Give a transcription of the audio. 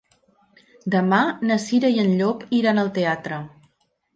Demà na Cira i en Llop iran al teatre.